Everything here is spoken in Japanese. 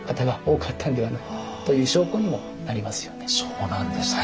そうなんですね。